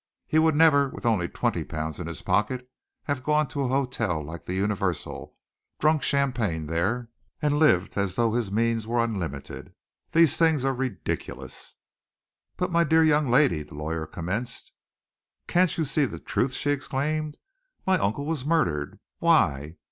He would never, with only twenty pounds in his pocket, have gone to a hotel like the Universal, drunk champagne there, and lived as though his means were unlimited. These things are ridiculous!" "But, my dear young lady," the lawyer commenced, "Can't you see the truth?" she exclaimed. "My uncle was murdered. Why?